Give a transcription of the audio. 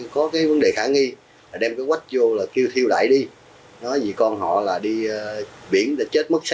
có cái vấn đề khả nghi đem cái quách vô là kêu thiêu đại đi nói gì con họ là đi biển đã chết mất